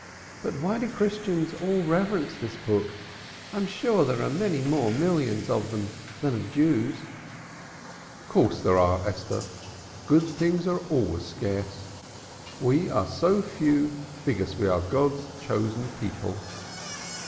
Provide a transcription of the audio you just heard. "But why do Christians all reverence this book? I'm sure there are many more millions of them than of Jews!" "Of course there are, Esther. Good things are scarce. We are so few because we are God's chosen people."